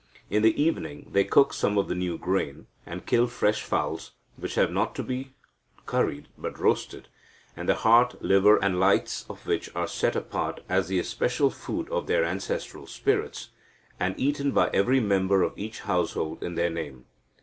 In the evening they cook some of the new grain, and kill fresh fowls, which have not to be curried but roasted, and the heart, liver, and lights of which are set apart as the especial food of their ancestral spirits, and eaten by every member of each household in their name.